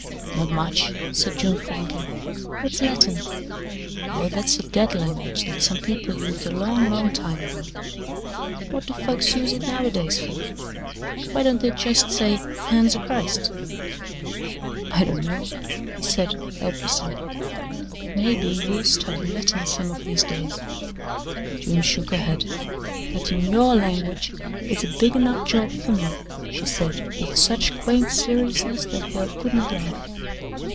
"Not much," said June frankly. "What's Latin?" "Oh, that's a dead language that some people used a long, long time ago." "What do folks use it nowadays fer? Why don't they just say 'Hands o' Christ'?" "I don't know," he said helplessly, "but maybe you'll study Latin some of these days." June shook her head. "Gettin' YOUR language is a big enough job fer me," she said with such quaint seriousness that Hale could not laugh.